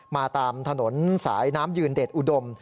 มาตามถนนสายน้ำยืนเดชอุดม